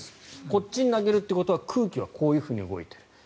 こっちに投げるということは空気はこう動いている。